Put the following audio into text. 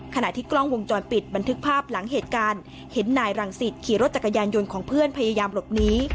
ขณะที่กล้องวงจรปิดบันทึกภาพหลังเหตุการณ์เห็นนายรังสิตขี่รถจักรยานยนต์ของเพื่อนพยายามหลบหนี